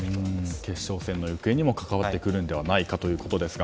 決勝戦の行方にも関わってくるのではないかということですが。